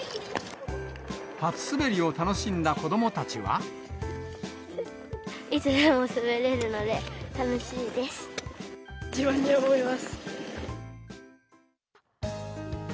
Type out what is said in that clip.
初滑りを楽しんだ子どもたちいつでも滑れるので、楽しい自慢に思います。